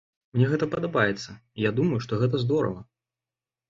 Мне гэта падабаецца, і я думаю, што гэта здорава.